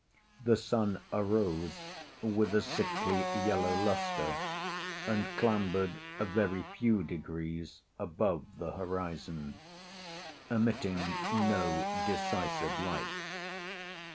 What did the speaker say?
The sun arose with a sickly yellow lustre, and clambered a very few degrees above the horizon—emitting no decisive light.